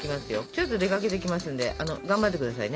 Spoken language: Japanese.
ちょっと出かけてきますんで頑張ってくださいね。